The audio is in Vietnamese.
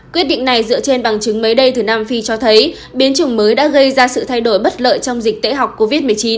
quyết định này dựa trên bằng chứng mới đây từ nam phi cho thấy biến chủng mới đã gây ra sự thay đổi bất lợi trong dịch tễ học covid một mươi chín